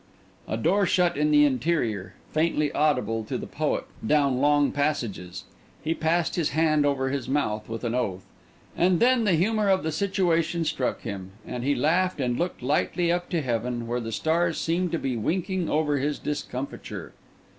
A door shut in the interior, faintly audible to the poet down long passages. He passed his hand over his mouth with an oath. And then the humour of the situation struck him, and he laughed and looked lightly up to heaven, where the stars seemed to be winking over his discomfiture.